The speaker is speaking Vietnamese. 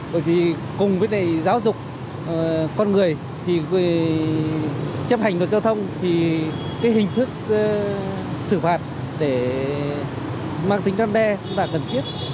bởi vì cùng với giáo dục con người thì chấp hành đồn giao thông thì cái hình thức xử phạt để mang tính răn đe cũng là cần thiết